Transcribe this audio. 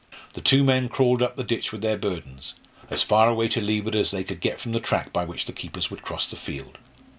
The two men crawled up the ditch with their burdens as far away to leeward as they could get from the track by which the keepers would cross the field.